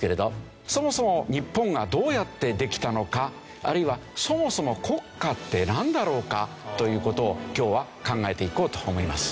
そもそも日本がどうやってできたのかあるいはそもそも国家ってなんだろうか？という事を今日は考えていこうと思います。